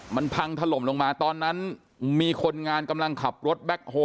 มันพังถล่มลงมาตอนนั้นมีคนงานกำลังขับรถแบ็คโฮล